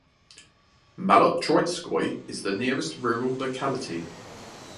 Malotroitskoye is the nearest rural locality.